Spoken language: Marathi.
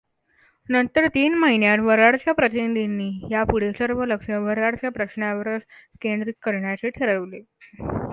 नंतर तीन महिन्यांत वऱ्हाडच्या प्रतिनिधींनी यापुढे सर्व लक्ष वऱ्हाडच्या प्रश्नावरच केंदित करण्याचे ठरवले.